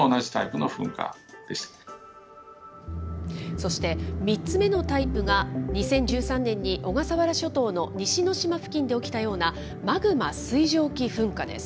そして、３つ目のタイプが、２０１３年に小笠原諸島の西之島付近で起きたような、マグマ水蒸気噴火です。